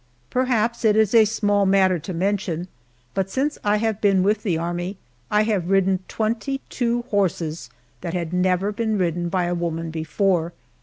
Perhaps it is a small matter to mention, but since I have been with the Army I have ridden twenty two horses that had never been ridden by a woman before!